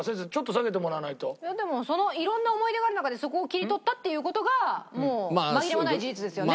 でもその色んな思い出がある中でそこを切り取ったっていう事がもう紛れもない事実ですよね？